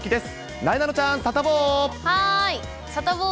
なえなのちゃん、サタボー。